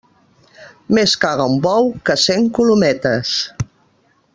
Més caga un bou, que cent colometes.